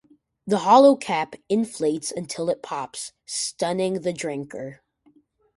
The hollow cap inflates until it pops, stunning the drinker.